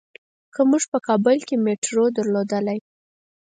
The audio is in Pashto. که مونږ په کابل کې میټرو درلودلای.